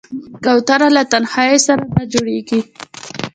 کوتره له تنهايي سره نه جوړېږي.